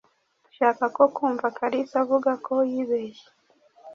Ndashaka ko kumva Kalisa avuga ko yibeshye.